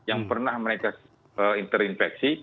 yang pernah mereka terinfeksi